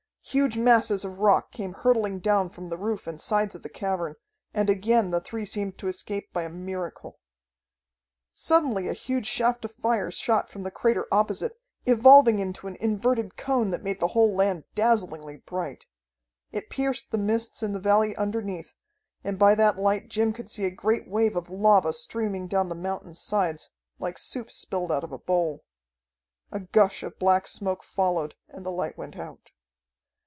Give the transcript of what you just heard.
Huge masses of rock came hurtling down from the roof and sides of the cavern, and again the three seemed to escape by a miracle. Suddenly a huge shaft of fire shot from the crater opposite, evolving into an inverted cone that made the whole land dazzlingly bright. It pierced the mists in the valley underneath, and by that light Jim could see a great wave of lava streaming down the mountain sides, like soup spilled out of a bowl. A gush of black smoke followed, and the light went out.